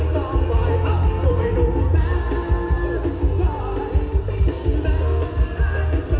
พักกับคนให้รู้ลีออนคลุมชีมี